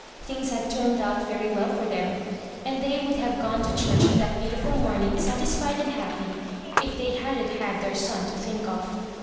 Things had turned out very well for them; and they would have gone to church that beautiful morning satisfied and happy, if they hadn't had their son to think of.